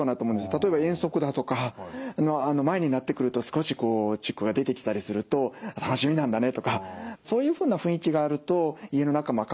例えば遠足だとかの前になってくると少しチックが出てきたりすると「楽しみなんだね」とか。そういうふうな雰囲気があると家の中も明るくですね